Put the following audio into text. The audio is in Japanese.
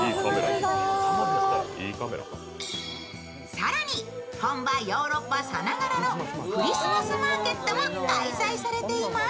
更に、本場ヨーロッパさながらのクリスマスマーケットも開催されています。